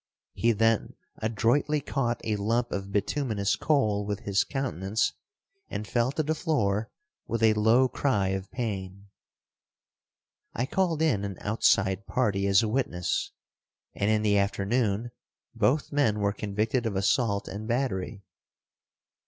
He then adroitly caught a lump of bituminous coal with his countenance and fell to the floor with a low cry of pain. I called in an outside party as a witness, and in the afternoon both men were convicted of assault and battery.